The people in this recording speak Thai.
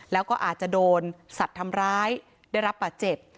แล้วก็อาจจะโดนสัตว์ทำร้ายได้รับบาดเจ็บ